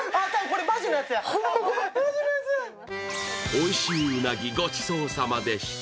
おいしいうなぎ、ごちそうさまでした。